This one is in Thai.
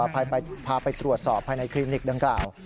พาไปตรวจสอบภายในคลินิกดังกล่าว